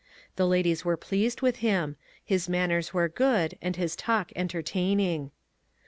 The ladies were pleased with him ; his manners were good, and his talk entertaining.